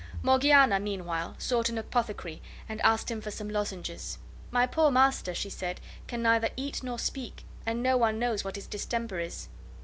Morgiana, meanwhile, sought an apothecary and asked him for some lozenges. "My poor master," she said, "can neither eat nor speak, and no one knows what his distemper is."